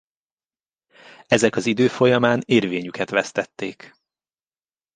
Ezek az idők folyamán érvényüket vesztették.